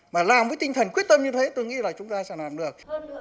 mà làm với tinh thần quyết tâm như thế tôi nghĩ là chúng ta sẽ làm được